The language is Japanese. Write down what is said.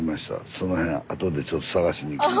その辺後でちょっと探しに行きます。